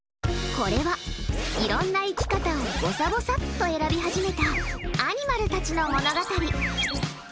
これは、いろんな生き方をぼさぼさっと選び始めたアニマルたちの物語。